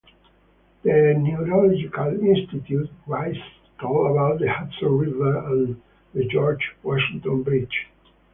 The Neurological institute rises tall above the Hudson River and the George Washington Bridge.